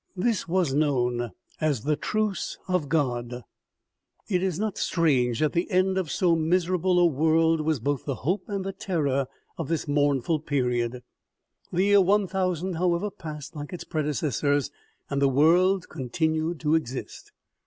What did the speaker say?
This was known as the truce of God. It is not strange that the end of so miserable a world was both the hope and the terror of this mournful period. The year 1000, however, passed like its predecessors, and the world continued to exist.